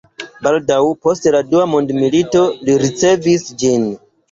Baldaŭ post la Dua Mondmilito li rericevis ĝin.